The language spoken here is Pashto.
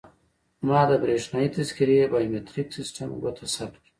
ما د بریښنایي تذکیرې بایومتریک سیستم ګوته ثبت کړه.